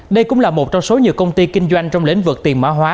đây cũng là một trong số nhiều công ty kinh doanh trong lĩnh vực tiền mã hóa